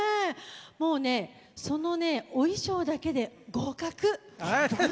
もうね、そのね、お衣装だけで合格！